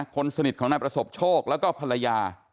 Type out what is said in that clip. คนสนิทของนายประสบโชคแล้วก็ภรรยา